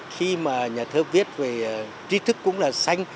khi nhà thơ viết về trí thức cũng là sanh